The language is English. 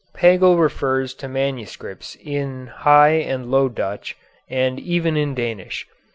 Pagel refers to manuscripts in High and Low Dutch, and even in Danish.